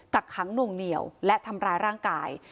กักขังหน่วงเหนียวและทำร้ายร่างกาย